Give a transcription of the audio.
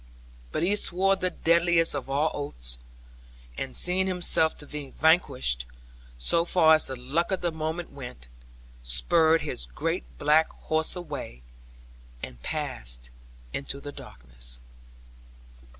But he swore the deadliest of all oaths, and seeing himself to be vanquished (so far as the luck of the moment went), spurred his great black horse away, and passed into the darkness.